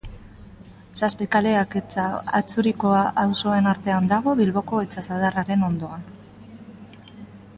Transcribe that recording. Zazpikaleak eta Atxuriko auzoen artean dago, Bilboko itsasadarraren ondoan.